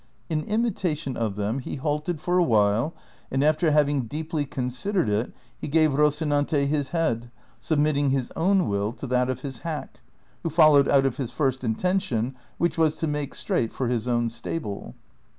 In imitation of them he halted for a while, and after having deeply considered it, he gave Eocinante his head, submitting his own will to that of his hack, who fol lowed out his first intention, which was to make straight for his own stable.